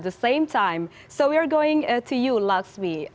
jadi kita akan berbicara dengan anda laksmi